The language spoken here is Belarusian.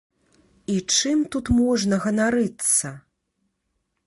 І чым тут можна ганарыцца?